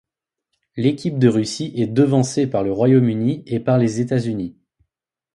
L'équipe de Russie est devancée par le Royaume-Uni et par les États-Unis.